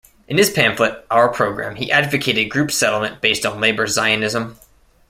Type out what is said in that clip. In his pamphlet "Our Program" he advocated group settlement based on labour Zionism.